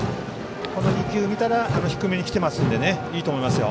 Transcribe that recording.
この２球を見たら低めにきていますのでいいと思いますよ。